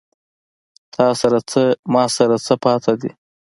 تاســـره څـــه، ما ســـره څه پاتې دي